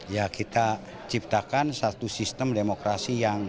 ya kita ciptakan satu sistem demokrasi yang